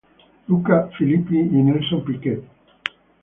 Luca Filippi y Nelson Piquet, Jr.